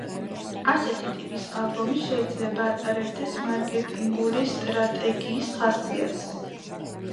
ასეთი ტიპის ალბომი შეიძლება ატარებდეს მარკეტინგული სტრატეგიის ხასიათს.